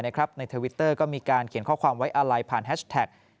ทวิตเตอร์ก็มีการเขียนข้อความไว้อาลัยผ่านแฮชแท็ก